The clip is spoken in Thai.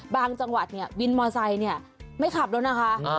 บางจังหวัดนี้บินมอเซนมันไม่ขับแล้วนะคะ